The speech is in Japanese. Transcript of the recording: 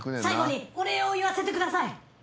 最後にお礼を言わせてください。